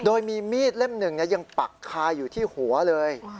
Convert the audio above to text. โดยมีมีดเล่มหนึ่งยังปักคาอยู่ที่หัวเลย